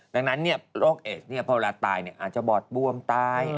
ดังนั้นโรคเอสพอเวลาตายอาจจะบอดบวมตาย